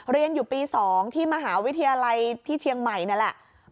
เรียนอยู่ปี๒ที่มหาวิทยาลัยที่เชียงใหม่นั่นแหละ